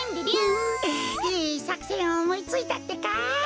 グフッいいさくせんをおもいついたってか。